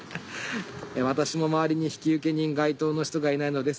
私も周りに引受人該当の人がいないのです。